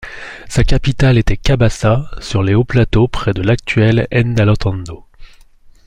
Sa capitale était Kabasa, sur les hauts plateaux près de l'actuelle N'Dalantando.